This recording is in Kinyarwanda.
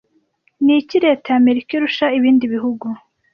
Ni iki leta ya Amerika irusha ibindi bihugu